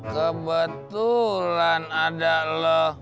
kebetulan ada lo